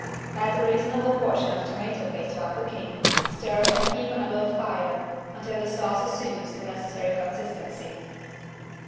Add a reasonable portion of tomato paste while cooking, stir and keep on a low fire until the sauce assumes the necessary consistency.